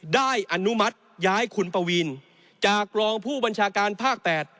อนุมัติย้ายคุณปวีนจากรองผู้บัญชาการภาค๘